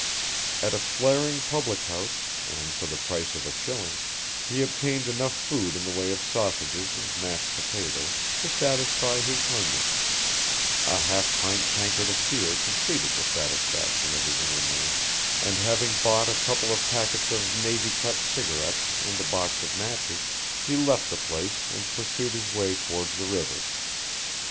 At a flaring public house, and for the price of a shilling, he obtained enough food in the way of sausages and mashed potatoes, to satisfy his hunger, a half pint tankard of beer completed the satisfaction of his inner man, and having bought a couple of packets of navy cut cigarettes and a box of matches, he left the place and pursued his way towards the river.